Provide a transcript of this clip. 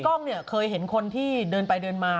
กล้องเนี่ยเคยเห็นคนที่เดินไปเดินมา